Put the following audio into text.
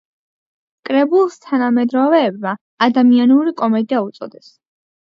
კრებულს თანამედროვეებმა „ადამიანური კომედია“ უწოდეს.